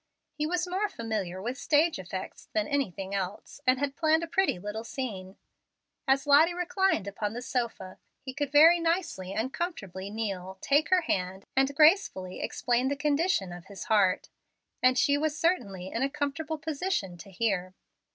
He was more familiar with stage effects than anything else, and had planned a pretty little scene. As Lottie reclined upon the sofa, he could very nicely and comfortably kneel, take her hand, and gracefully explain the condition of his heart; and she was certainly in a comfortable position to hear.